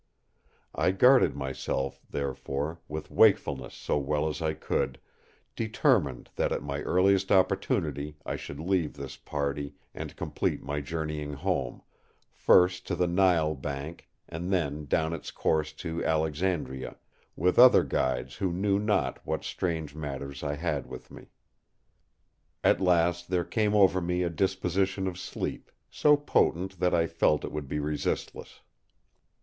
I guarded myself, therefore, with wakefulness so well as I could, determined that at my earliest opportunity I should leave this party, and complete my journeying home, first to the Nile bank, and then down its course to Alexandria; with other guides who knew not what strange matters I had with me. "At last there came over me a disposition of sleep, so potent that I felt it would be resistless.